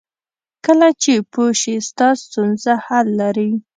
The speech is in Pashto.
کله چې پوه شې ستا ستونزه حل لري.